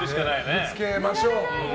ぶつけましょう。